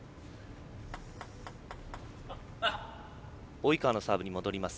及川のサーブに戻ります。